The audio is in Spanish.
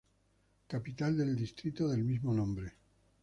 Capital del Distrito del mismo nombre.